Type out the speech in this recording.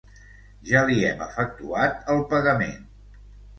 Ja li hem efectuat el pagament.